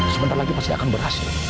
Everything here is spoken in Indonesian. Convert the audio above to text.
sebentar lagi pasti akan berhasil